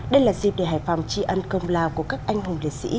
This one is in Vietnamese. đây là dịp để hải phòng tri ân công lao của các anh hùng liệt sĩ